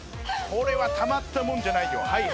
「これはたまったもんじゃないよ」